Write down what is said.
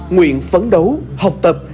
nguyện phấn đấu học tập